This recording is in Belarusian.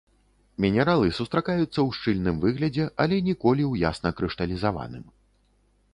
Мінералы сустракаюцца ў шчыльным выглядзе, але ніколі ў ясна крышталізаваным.